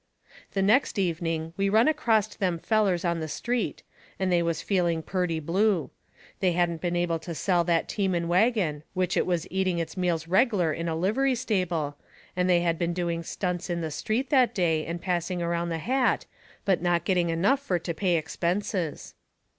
The next evening we run acrost them fellers on the street, and they was feeling purty blue. They hadn't been able to sell that team and wagon, which it was eating its meals reg'lar in a livery stable, and they had been doing stunts in the street that day and passing around the hat, but not getting enough fur to pay expenses.